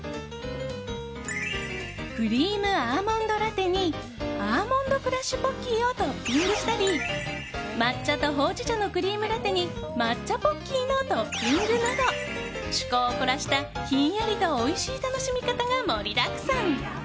クリームアーモンドラテにアーモンドクラッシュポッキーをトッピングしたり抹茶とほうじ茶のクリームラテに抹茶ポッキーのトッピングなど趣向を凝らしたひんやりとおいしい楽しみ方が盛りだくさん。